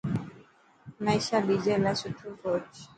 هميشا ٻجي لاءِ سٺو سوچ.